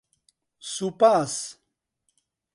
سوپاس!